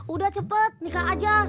udah cepet nikah aja